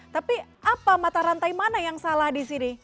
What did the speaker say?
tapi apa mata rantai mana yang salah di sini